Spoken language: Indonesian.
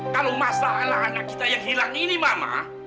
kalau masalah anak kita yang hilang ini mama